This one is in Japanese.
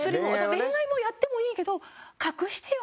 恋愛もやってもいいけど隠してよ